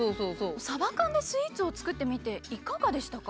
サバ缶のスイーツを作ってみていかがでしたか？